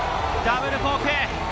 ダブルコーク。